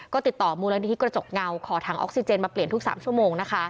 ก็ติดต่อมูลนิธิกระจกเงาขอถังออกซิเจนมาเปลี่ยนทุก๓ชั่วโมงนะคะ